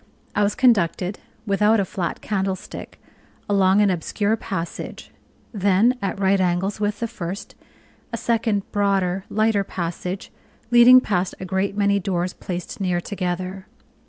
I was conducted (without a flat candlestick) along an obscure passage; then, at right angles with the first, a second broader, lighter passage, leading past a great many doors placed near together.